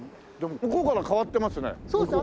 ここから変わってますね。